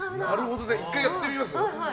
１回やってみますか。